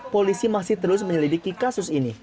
polisi masih terus menyelidiki kasus ini